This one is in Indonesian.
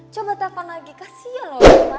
coba telepon lagi kasian loh reva